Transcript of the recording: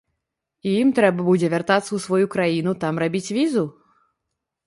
І ім трэба будзе вяртацца ў сваю краіну, там рабіць візу?